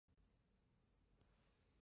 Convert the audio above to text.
巢是由雌鸟以草筑成。